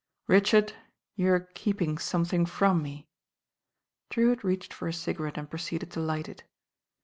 "Richard, you are keeping something from me." Drewitt reached for a cigarette and proceeded to light it.